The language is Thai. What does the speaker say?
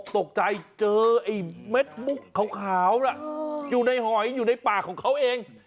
ตกใจเจอไอ้เม็ดมุกขาวน่ะอยู่ในหอยอยู่ในป่าของเขาเอง